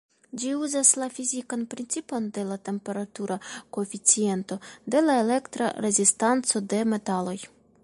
Ĝi uzas la fizikan principon de la temperatura koeficiento de elektra rezistanco de metaloj.